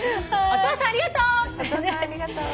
お父さんありがとう。